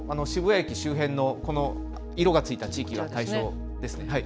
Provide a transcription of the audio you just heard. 渋谷駅周辺の色がついた地域が対象です。